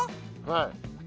はい。